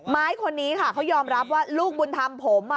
ไม้คนนี้ค่ะเขายอมรับว่าลูกบุญธรรมผม